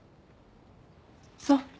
そう。